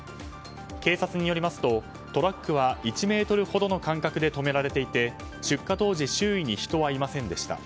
警察によりますとトラックは１ｍほどの間隔で止められていて出火当時、周囲に人はいませんでした。